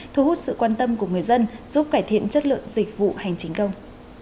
thu hút sự quan tâm của người dân giúp cải thiện chất lượng dịch vụ hành chính công